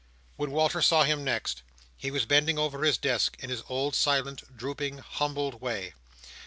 When Walter saw him next, he was bending over his desk in his old silent, drooping, humbled way.